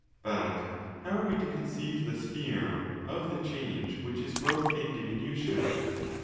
But how are we to conceive the 'sphere' of the change which is growth and diminution?